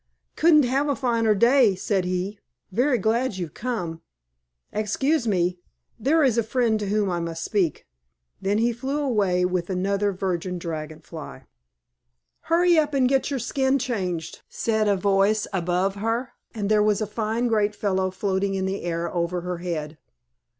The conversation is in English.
"Couldn't have a finer day," said he. "Very glad you've come. Excuse me. There is a friend to whom I must speak." Then he flew away with another Virgin Dragon Fly. "Hurry up and get your skin changed," said a voice above her, and there was a fine great fellow floating in the air over her head.